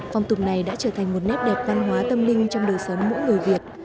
phong tục này đã trở thành một nét đẹp văn hóa tâm linh trong đời sống mỗi người việt